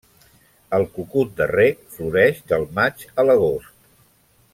El cucut de rec floreix del maig a l'agost.